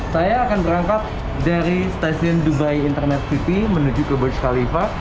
saya akan berangkat dari stasiun dubai internet tv menuju ke burj khalifah